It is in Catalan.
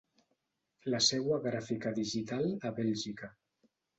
La seua gràfica digital a Bèlgica.